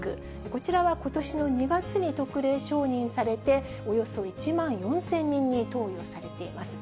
こちらはことしの２月に特例承認されて、およそ１万４０００人に投与されています。